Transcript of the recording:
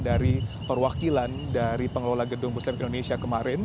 dari perwakilan dari pengelola gedung bursa efek indonesia kemarin